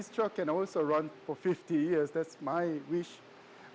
semoga kendaraan ini juga berjalan selama lima puluh tahun